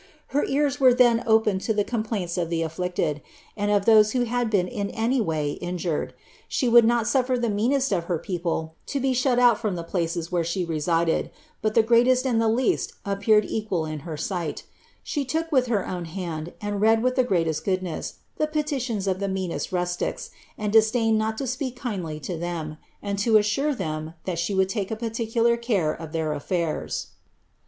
Her ears were then open to the complaints of the afflicted, and of those who had been in any way injured. She would not suffer the meanest of her people to be shut out from the places where she resided, but the greatest and the kast appeared equal in her sight She took with her own hand^ and Rid with the greatest goodness, the petitions of the meanest rustics, and disdained not to speak kindly to them, and to assure them that she would take a particular care of their afiiurs.'